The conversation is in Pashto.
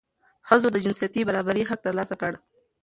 ښځو د جنسیتي برابرۍ حق ترلاسه کړ.